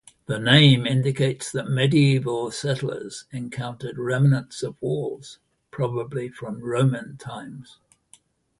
The name indicates that medieval settlers encountered remnants of walls, probably from Roman times.